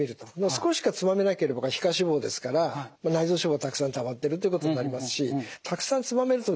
少ししかつまめなければ皮下脂肪ですから内臓脂肪がたくさんたまっているということになりますしたくさんつまめるとですね